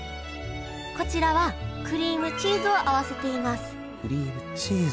こちらはクリームチーズを合わせていますクリームチーズ。